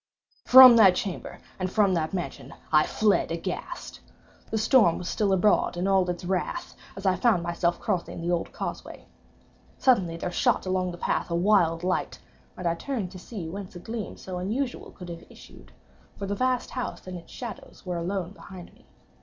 From that chamber, and from that mansion, I fled aghast. The storm was still abroad in all its wrath as I found myself crossing the old causeway. Suddenly there shot along the path a wild light, and I turned to see whence a gleam so unusual could have issued; for the vast house and its shadows were alone behind me.